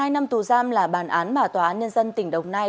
một mươi hai năm tù giam là bàn án bà tòa án nhân dân tỉnh đồng nai